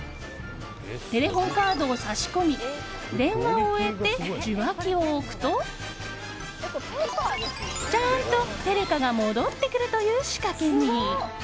テレホンカードを差し込み電話を終えて受話器を置くとちゃんとテレカが戻ってくるという仕掛けに。